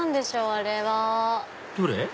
あれは。どれ？